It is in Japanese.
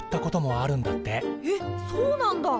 えっそうなんだ！